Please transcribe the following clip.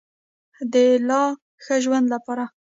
د لا ښه ژوند لپاره.